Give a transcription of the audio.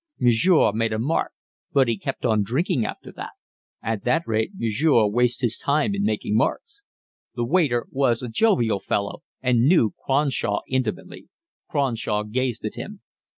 "Monsieur made a mark, but he kept on drinking after that. At that rate Monsieur wastes his time in making marks." The waiter was a jovial fellow and knew Cronshaw intimately. Cronshaw gazed at him.